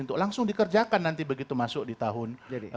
untuk langsung dikerjakan nanti begitu masuk di tahun dua ribu dua puluh